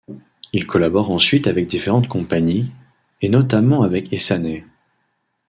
Il collabore ensuite avec différentes compagnies, et notamment avec Essanay.